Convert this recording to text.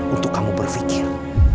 untuk kamu berpikir